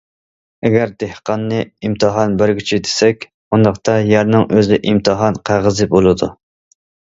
ئەگەر دېھقاننى ئىمتىھان بەرگۈچى دېسەك، ئۇنداقتا يەرنىڭ ئۆزى ئىمتىھان قەغىزى بولىدۇ.